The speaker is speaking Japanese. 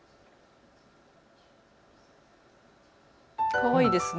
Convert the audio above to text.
かわいいですね。